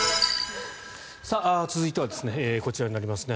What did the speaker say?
続いてはこちらになりますね。